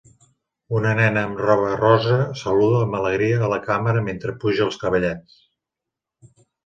Una nena amb roba rosa saluda amb alegria a la càmera mentre puja als cavallets